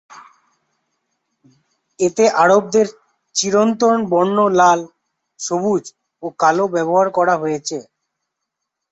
এতে আরবদের চিরন্তন বর্ণ লাল, সবুজ, ও কালো ব্যবহার করা হয়েছে।